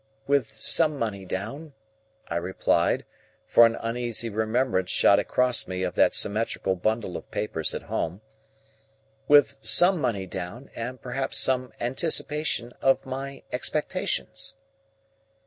"With some money down," I replied, for an uneasy remembrance shot across me of that symmetrical bundle of papers at home—"with some money down, and perhaps some anticipation of my expectations."